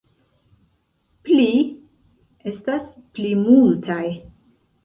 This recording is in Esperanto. Pli = pli multaj.